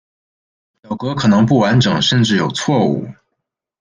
表格可能不完整甚至有错误。